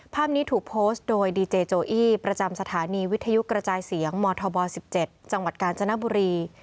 ภาพนี้ถูกโพสต์โดยดีเจโจอี้ประจำสถานีวิทยุกระจายเสียงมธบ๑๗จังหวัดกาญจนบุรี